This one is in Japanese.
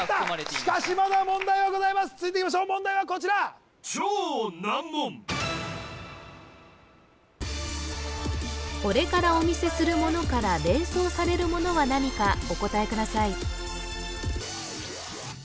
しかしまだ問題はございます続いていきましょう問題はこちらこれからお見せするものから連想されるものは何かお答えください